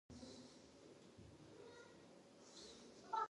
روبوټونه په فابریکو کې د کار کچه لوړه کوي.